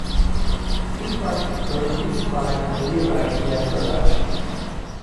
It was produced by Clear Idea Productions.